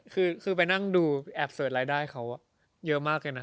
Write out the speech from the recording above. คือไปนั่งดูแอบเสิร์ชรายได้เขาเยอะมากเลยนะ